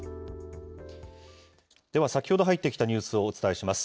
では先ほど入ってきたニュースをお伝えします。